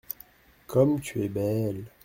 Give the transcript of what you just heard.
Comme tu es belle !…